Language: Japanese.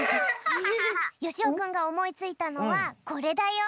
よしおくんがおもいついたのはこれだよ。